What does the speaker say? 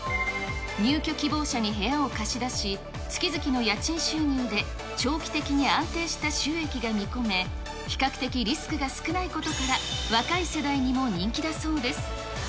入居希望者に部屋を貸し出し、月々の家賃収入で長期的に安定した収益が見込め、比較的リスクが少ないことから、若い世代にも人気だそうです。